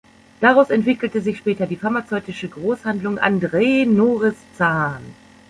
Daraus entwickelte sich später die pharmazeutische Großhandlung Andreae-Noris Zahn.